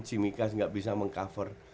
cimikas nggak bisa meng cover